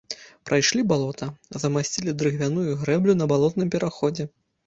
Прайшлі балота, замасцілі дрыгвяную грэблю на балотным пераходзе.